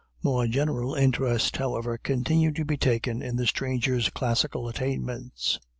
More general interest, however, continued to be taken in the stranger's classical attainments.